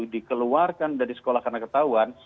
dikeluarkan dari sekolah karena ketahuan